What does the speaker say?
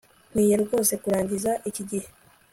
nkwiye rwose kurangiza iki gihe